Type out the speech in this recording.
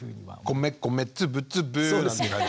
米米つぶつぶなんて感じの。